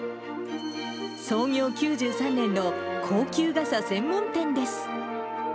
創業９３年の高級傘専門店です。